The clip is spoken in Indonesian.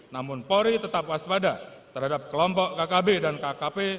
namun polri tetap waspada terhadap kelompok kkb dan kkp